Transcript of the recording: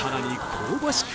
香ばしく